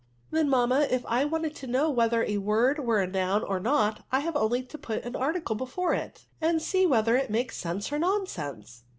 Then, mamma, if I wanted to know whether a word were a noun or not, I have only to put an article before it, and see whe ther it makes sense or nonsense.